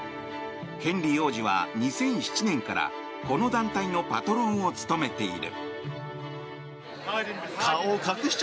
ヘンリー王子は、２００７年からこの団体のパトロンを務めている。